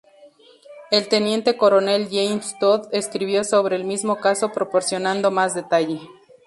El teniente coronel James Tod escribió sobre el mismo caso proporcionando más detalle.